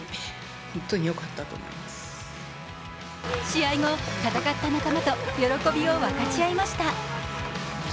試合後、戦った仲間と喜びを分かち合いました。